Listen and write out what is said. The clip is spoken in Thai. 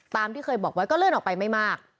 ที่เคยบอกไว้ก็เลื่อนออกไปไม่มาก